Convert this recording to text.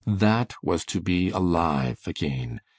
That was to be alive again.